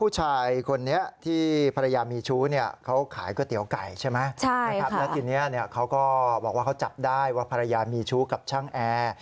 ใช่ไหมแล้วทีนี้เขาก็บอกว่าเขาจับได้ว่าภรรยามีชู้กับช่างแอร์